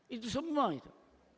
itu semua itu